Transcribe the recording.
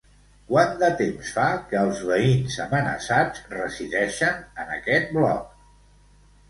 Quant de temps fa que els veïns amenaçats resideixen en aquest bloc?